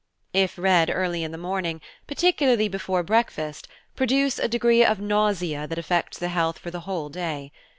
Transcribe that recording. if read early in the morning, particularly before breakfast, produce a degree of nausea that affects the health for the whole day.